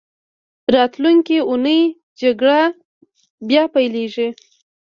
راتلونکې اونۍ جګړه بیا پیلېږي.